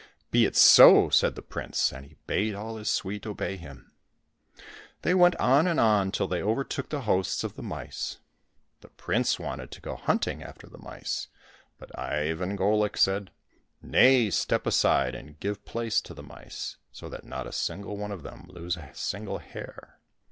"Be it so !" said the prince, and he bade all his suite obey him. They went on and on till they overtook the hosts of the mice. The prince wanted to go hunting after the mice, but Ivan GoUk said, " Nay, step aside and give place to the mice, so that not a single one of them lose a single hair !